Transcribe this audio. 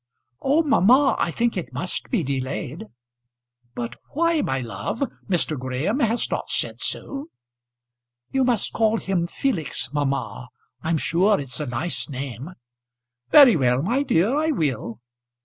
"Oh! mamma, I think it must be delayed." "But why, my love? Mr. Graham has not said so?" "You must call him Felix, mamma. I'm sure it's a nice name." "Very well, my dear, I will."